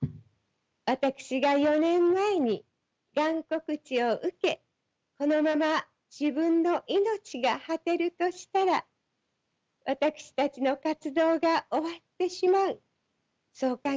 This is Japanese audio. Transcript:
私が４年前にがん告知を受けこのまま自分の命が果てるとしたら私たちの活動が終わってしまうそう考えました。